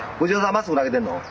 まっすぐ投げてんの？